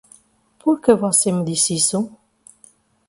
Por que você me disse isso?